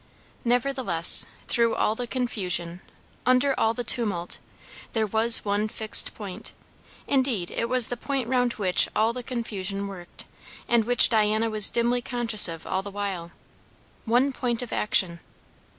Nevertheless, through all the confusion, under all the tumult, there was one fixed point; indeed, it was the point round which all the confusion worked, and which Diana was dimly conscious of all the while; one point of action.